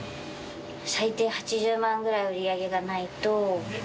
最低８０万ぐらい売り上げがないと。